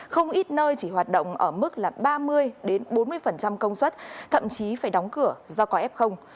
không ít nơi chỉ hoạt động ở mức ba mươi bốn mươi công suất thậm chí phải đóng cửa do có ép không